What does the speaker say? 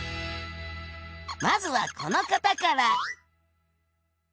まずはこの方から。